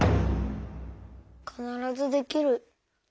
「かならずできる」。